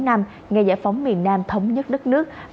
bốn năm ngày giải phóng miền nam thống nhất đất nước